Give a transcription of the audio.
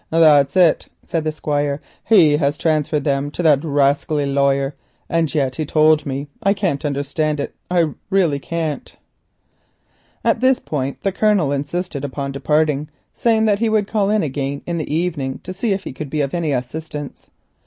"That's it," said the Squire; "he has transferred them to that rascally lawyer. And yet he told me—I can't understand it, I really can't." At this point the Colonel insisted upon leaving, saying he would call in again that evening to see if he could be of any assistance.